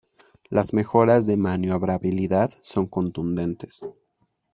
Las mejoras de maniobrabilidad son contundentes.